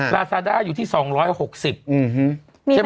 ลาซาด้าอยู่ที่๒๖๐บาท